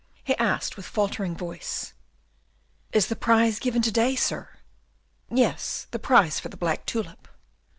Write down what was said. He asked, with faltering voice, "Is the prize given to day, sir?" "Yes, the prize for the black tulip."